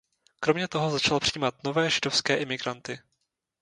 Kromě toho začal přijímat nové židovské imigranty.